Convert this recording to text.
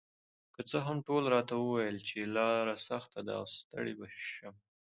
که څه هم ټولو راته ویل چې لار سخته ده او ستړې به شم،